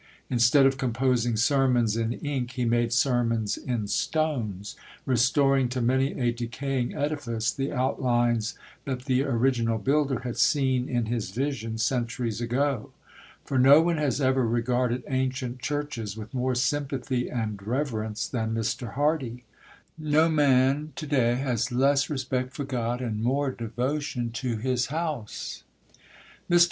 Instead of composing sermons in ink, he made sermons in stones, restoring to many a decaying edifice the outlines that the original builder had seen in his vision centuries ago. For no one has ever regarded ancient churches with more sympathy and reverence than Mr. Hardy. No man to day has less respect for God and more devotion to His house. Mr.